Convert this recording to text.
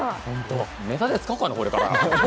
ネタでこれから使おうかな、これから。